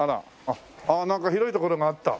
ああなんか広い所があった。